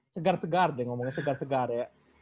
segar segar deh ngomongnya segar segar ya